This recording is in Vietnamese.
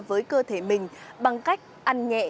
với cơ thể mình bằng cách ăn nhẹ